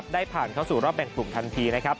ได้ผ่านเข้าสู่รอบแบ่งกลุ่มทันทีนะครับ